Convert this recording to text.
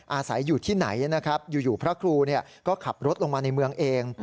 อาศัยอยู่ที่ไหนนะครับอยู่พระครูก็ขับรถลงมาในเมืองเอง